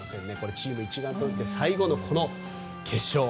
チーム一丸となって最後の決勝。